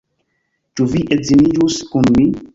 Ĉu vi edziniĝus kun mi?